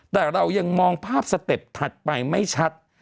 แต่เรายังมองภาพสเต็ปถัดไปไม่ชัด